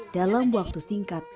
dalam waktu singkat